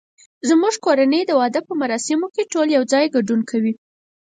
زمونږ کورنۍ د واده په مراسمو کې ټول یو ځای ګډون کوي